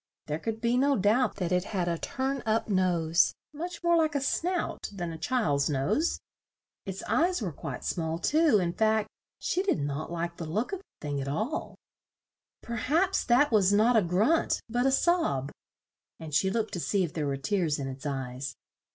There could be no doubt that it had a turn up nose, much more like a snout than a child's nose. Its eyes were quite small too; in fact she did not like the look of the thing at all. "Per haps that was not a grunt, but a sob," and she looked to see if there were tears in its eyes.